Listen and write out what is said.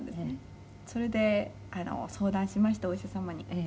「それで相談しましてお医者様に」